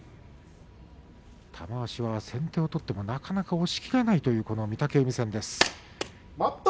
玉鷲は先手を取ってもなかなか押しきれないというこの御嶽海戦です。